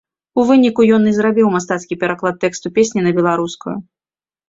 У выніку, ён і зрабіў мастацкі пераклад тэксту песні на беларускую.